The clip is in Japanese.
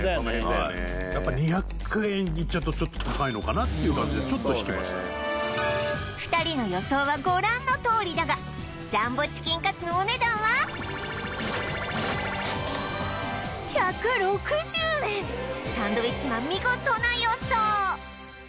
はいやっぱ２００円いっちゃうとちょっと高いのかなっていう感じでちょっと引きました２人の予想はご覧のとおりだがジャンボチキンカツのお値段はサンドウィッチマン見事な予想